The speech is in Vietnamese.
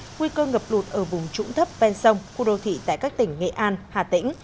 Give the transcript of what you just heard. nguy cơ ngập lụt ở vùng trũng thấp ven sông khu đô thị tại các tỉnh nghệ an hà tĩnh